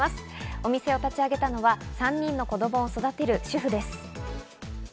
お店を立ち上げたのは３人の子供を育てる主婦です。